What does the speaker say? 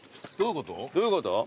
どういうこと？